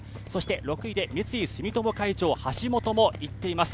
６位で三井住友海上の橋本もいっています。